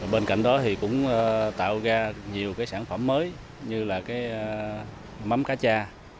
bên cạnh đó thì cũng tạo ra nhiều cái sản phẩm mới như là cái mấm cá cha